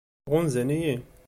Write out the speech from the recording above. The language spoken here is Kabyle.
Ɣunzan-iyi?